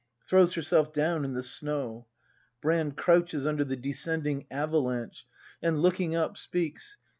[ Throivs iierself down in the snow. Brand. [Crouches under the descending avalanche, and, looking up, speaks.